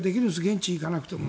現地に行かなくても。